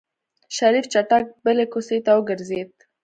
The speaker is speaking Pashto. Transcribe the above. شريف چټک بلې کوڅې ته وګرځېد.